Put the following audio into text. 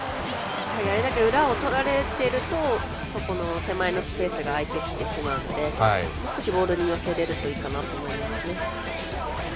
あれだけ裏をとられてると手前のスペースが空いてきてしまうのでもう少しボールに寄せられるといいかなと思いますね。